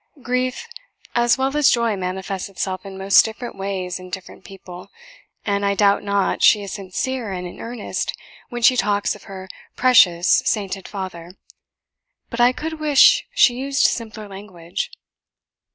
... Grief as well as joy manifests itself in most different ways in different people; and I doubt not she is sincere and in earnest when she talks of her 'precious, sainted father;' but I could wish she used simpler language."